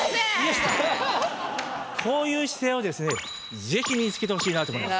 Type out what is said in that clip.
こういう姿勢をですね是非身につけてほしいなと思います。